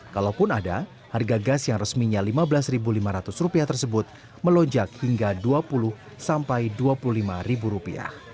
kalaupun ada harga gas yang resminya rp lima belas lima ratus tersebut melonjak hingga rp dua puluh sampai rp dua puluh lima